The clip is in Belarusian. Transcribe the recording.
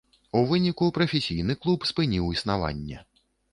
У выніку прафесійны клуб спыніў існаванне.